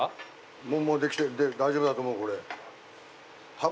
もうできてる大丈夫だと思うこれ。